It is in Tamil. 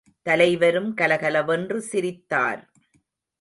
தலைவரும் கலகலவென்று சிரித்தார்.